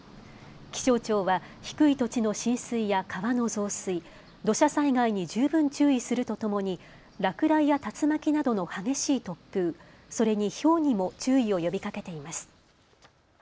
気象庁は低い土地の浸水や川の増水、土砂災害に十分注意するとともに落雷や竜巻などの激しい突風それに、ひょうにも注意を呼びかけています。